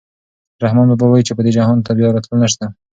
رحمان بابا وايي چې دې جهان ته بیا راتلل نشته.